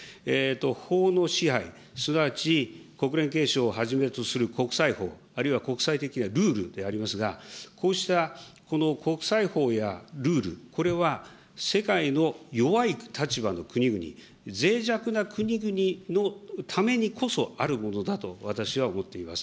法の支配、すなわち国連憲章をはじめとする国際法、あるいは国際的なルールでありますが、こうした国際法やルール、これは世界の弱い立場の国々、ぜい弱な国々のためにこそあるものだと私は思っています。